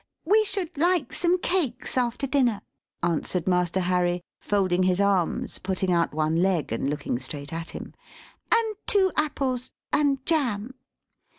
"We should like some cakes after dinner," answered Master Harry, folding his arms, putting out one leg, and looking straight at him, "and two apples, and jam.